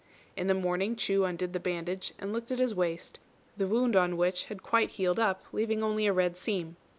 In the morning Chu undid the bandage, and looked at his waist, the wound on which had quite healed up, leaving only a red seam.